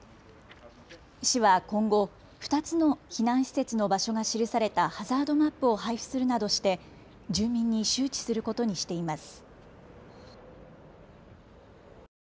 市は今後２つの避難施設の場所が記されたハザードマップを配布するなどして住民に周知することにしています。